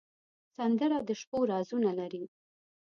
سندره د شپو رازونه لري